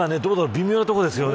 微妙なところですよね。